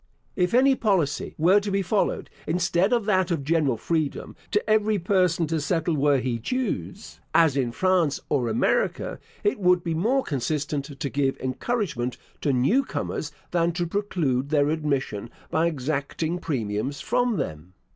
If any policy were to be followed, instead of that of general freedom, to every person to settle where he chose (as in France or America) it would be more consistent to give encouragement to new comers than to preclude their admission by exacting premiums from them.